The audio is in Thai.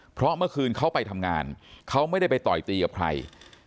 เพราะเมื่อคืนเขาไปทำงานเขาไม่ได้ไปต่อยตีกับใคร